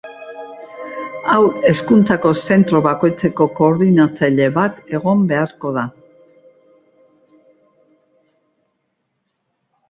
Haur hezkuntzako zentro bakoitzeko koordinatzaile bat egon beharko da.